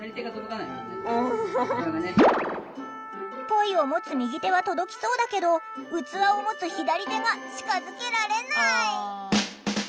ポイを持つ右手は届きそうだけど器を持つ左手が近づけられない。